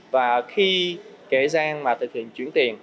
và khi kể rằng mà thực hiện chuyển tiền